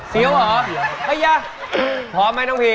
เสียวหรอเฮ้ยยยยยพร้อมมั้ยน้องพี